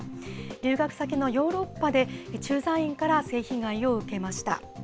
留学先のヨーロッパで、駐在員から性被害を受けました。